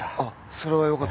それはよかった。